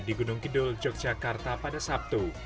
di gunung kidul yogyakarta pada sabtu